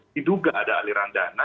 diduga ada aliran dana